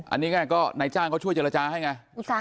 อันนี้ไงก็นายจ้างเขาช่วยเจรจาให้ไง